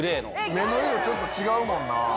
目の色ちょっと違うもんな。